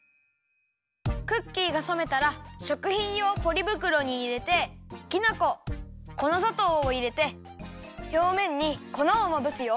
クッキーがさめたらしょくひんようポリぶくろにいれてきな粉粉ざとうをいれてひょうめんに粉をまぶすよ。